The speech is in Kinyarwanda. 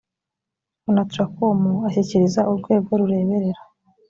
onatracom ashyikiriza urwego rureberera